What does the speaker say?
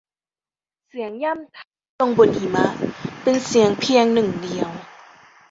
เสียงย่ำเท้าลงบนหิมะเป็นเสียงเพียงหนึ่งเดียว